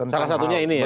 salah satunya ini ya